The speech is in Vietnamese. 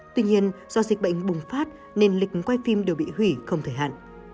tuy nhiên do dịch bệnh bùng phát nên lịch quay phim đều bị hủy không thể hạn